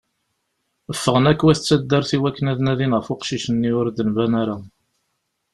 Ffɣen akk wat taddart i wakken ad nadin ɣef uqcic-nni ur d-nban ara.